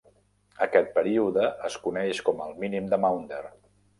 Aquest període es coneix com el mínim de Maunder.